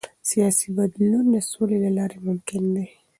سیاسي بدلون د سولې له لارې ممکن دی